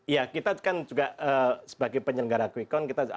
ya kita kan juga sebagai penyelenggara quick count kita akan tambah